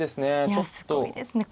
ちょっと。